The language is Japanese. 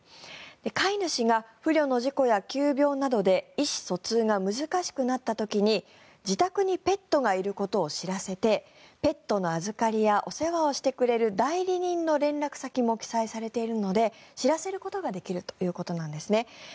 飼い主が不慮の事故や急病などで意思疎通が難しくなった時に自宅にペットがいることを知らせてペットの預かりやお世話をしてくれる代理人の連絡先も記載されているので知らせることができるというものです。